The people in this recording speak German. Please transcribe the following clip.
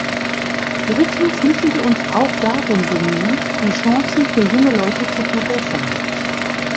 Drittens müssen wir uns auch darum bemühen, die Chancen für junge Leute zu verbessern.